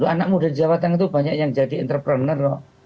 anak muda di jawa tengah itu banyak yang jadi entrepreneur loh